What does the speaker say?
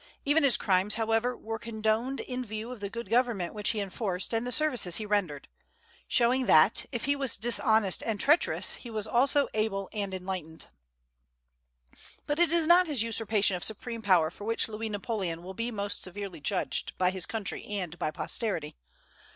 Even his crimes, however, were condoned in view of the good government which he enforced and the services he rendered; showing that, if he was dishonest and treacherous, he was also able and enlightened. But it is not his usurpation of supreme power for which Louis Napoleon will be most severely judged by his country and by posterity.